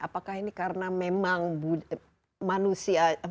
apakah ini karena memang manusia